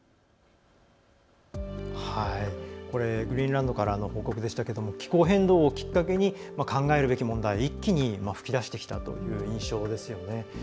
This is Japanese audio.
グリーンランドからの報告でしたが気候変動をきっかけに考えるべき問題一気に噴き出してきたという印象ですよね。